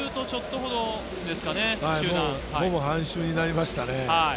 ほぼ半周になりましたね。